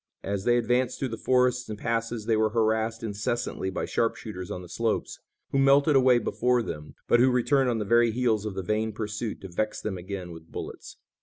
As they advanced through the forests and passes they were harassed incessantly by sharpshooters on the slopes, who melted away before them, but who returned on the very heels of the vain pursuit to vex them again with bullets.